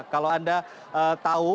kalau anda tahu